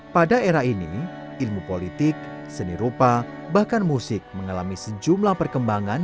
pada era ini ilmu politik seni rupa bahkan musik mengalami sejumlah perkembangan